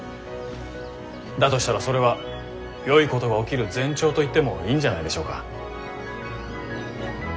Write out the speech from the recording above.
だとしたらそれはよいことが起きる前兆といってもいいんじゃないでしょうか？